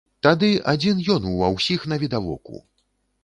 Тады адзін ён ува ўсіх навідавоку.